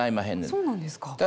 そうなんですか。